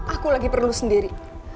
aku lagi perlu sendiri